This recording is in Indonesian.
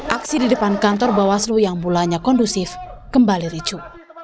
aksi di depan kantor bawaslu yang bolanya kondusif kembali ricu